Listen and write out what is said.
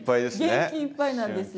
元気いっぱいなんですよ。